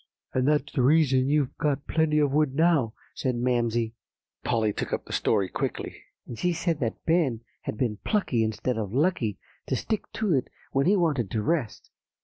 "'And that's the reason you've got plenty of wood now,' said Mamsie." Polly took up the story quickly. "And she said that Ben had been plucky, instead of lucky, to stick to it when he wanted to rest.